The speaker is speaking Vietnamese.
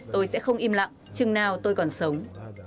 tôi sẽ không im lặng chừng nào tôi còn sống